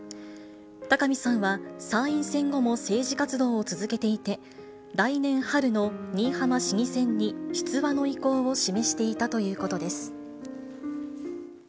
高見さんは参院選後も政治活動を続けていて、来年春の新居浜市議選に出馬の意向を示していたということです。